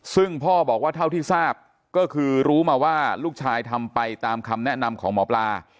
ซึ่งพ่อบอกว่าเท่าที่ทราบก็คือรู้มาว่าลูกชายทำไปตามคำแนะนำของหมอปลา